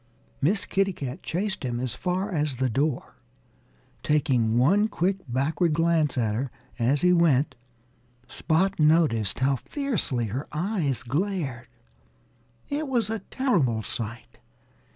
Miss Kitty Cat chased him as far as the door. Taking one quick backward glance at her as he went, Spot noticed how fiercely her eyes glared. It was a terrible sight.